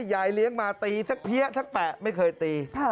ยายเลี้ยงมาตีสักเพี้ยสักแปะไม่เคยตี